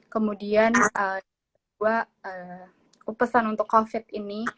kemudian itu juga pesan untuk covid ini